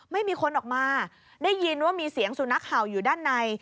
ไม่มีคนออกมาได้ยินว่ามีเสียงสุนัขเห่าอยู่ด้านใน